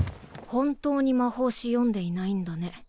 本当に魔法史読んでいないんだね。